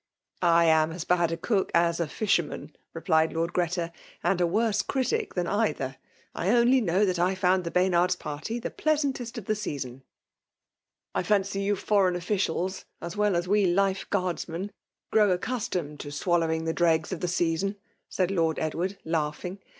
" I am as bad a cook as fisherman/* replied FEMALE DCmiNATION. 187 Lcnrd Greta ;—'' and a worse critk than either. I onlj knair that I found the Baynavd's party the pleasantest of the season." I fancy you Foreign Officials^ as well as we life Guardsmen, grow accustomed to swallow ing the dregs of the season^ said Lord Edward, laughing.